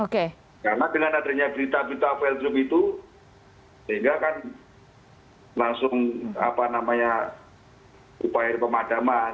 karena dengan adanya berita berita velodrome itu sehingga kan langsung upaya pemadaman